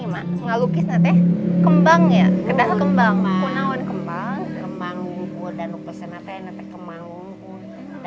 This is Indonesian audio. paman how many matahari patung putres disuruh memiliki maung penuh tulip taring klembangnya